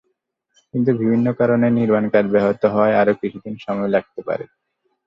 কিন্তু বিভিন্ন কারণে নির্মাণকাজ ব্যাহত হওয়ায় আরও কিছুদিন সময় লাগতে পারে।